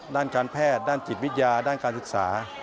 ด้านการแพทย์ด้านจิตวิทยาด้านการศึกษา